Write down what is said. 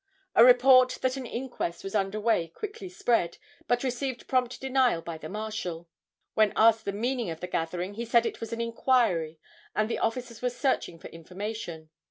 A report that an inquest was under way quickly spread, but received prompt denial by the Marshal. When asked the meaning of the gathering he said it was an inquiry and the officers were searching for information.